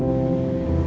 tapi buat kerja